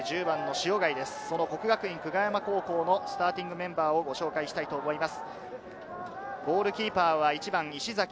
國學院久我山のスターティングメンバーをご紹介したいと思います。